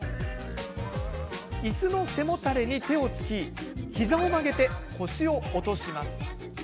いすの背もたれに手をつき膝を曲げて腰を落とします。